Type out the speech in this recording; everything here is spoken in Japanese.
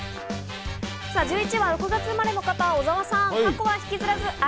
１１位は６月生まれの方、小澤さん。